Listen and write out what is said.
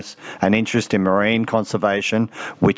dan keinginan dalam konservasi laut